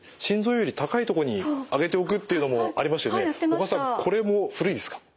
小川さんこれも古いですか？